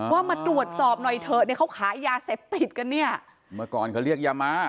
ว่ามาตรวจสอบหน่อยเถอะเนี่ยเขาขายยาเสพติดกันเนี่ยเมื่อก่อนเขาเรียกยาม้า